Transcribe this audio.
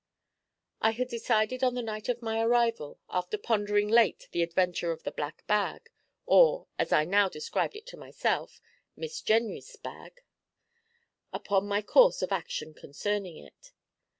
I had decided on the night of my arrival, after pondering late the adventure of the black bag, or, as I now described it to myself, Miss Jenrys' bag, upon my course of action concerning it.